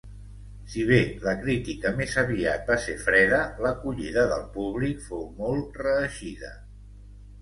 Si bé la crítica més aviat va ser freda, l'acollida del públic fou molt reeixida.